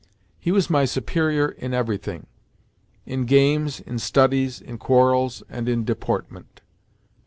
He was my superior in everything—in games, in studies, in quarrels, and in deportment.